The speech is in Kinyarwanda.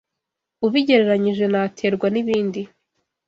ubigereranyije n’aterwa n’ibindi